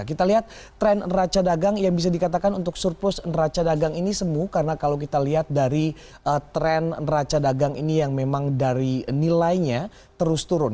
kita lihat tren raca dagang yang bisa dikatakan untuk surplus neraca dagang ini semu karena kalau kita lihat dari tren raca dagang ini yang memang dari nilainya terus turun